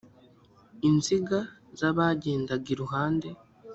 inziga zabagendaga iruhande